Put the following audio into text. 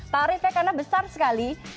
tarifnya karena besar sekali